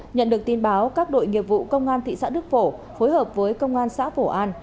nhận được tin báo các đội nghiệp vụ công an thị xã đức phổ phối hợp với công an xã phổ an